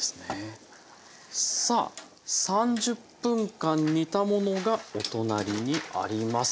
さあ３０分間煮たものがお隣にあります。